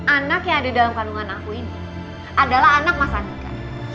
anak yang ada dalam kandungan aku ini adalah anak mas andika